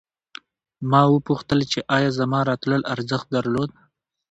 ما وپوښتل چې ایا زما راتلل ارزښت درلود